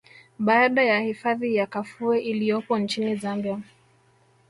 Baada ya hifadhi ya Kafue iliyopo nchini Zambia